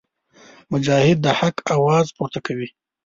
مجاهد د حق اواز پورته کوي.